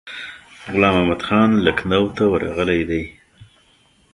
غلام محمدخان لکنهو ته ورغلی دی.